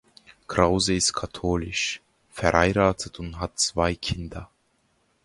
Krause ist katholisch, verheiratet und hat zwei Kinder.